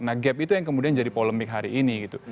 nah gap itu yang kemudian jadi polemik hari ini gitu